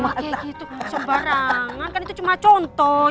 wah kayak gitu sembarangan kan itu cuma contoh